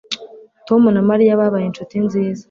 Tom na Mariya babaye inshuti nziza